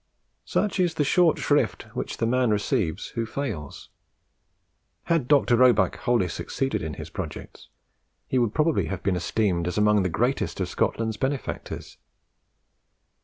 Such is the short shrift which the man receives who fails. Had Dr. Roebuck wholly succeeded in his projects, he would probably have been esteemed as among the greatest of Scotland's benefactors.